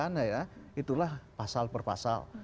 ini yang kita persoalkan ya itulah pasal per pasal